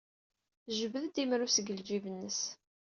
Tejbed-d imru seg ljib-nnes.